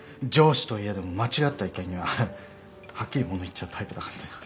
上司といえども間違った意見にははっきりもの言っちゃうタイプだからさ。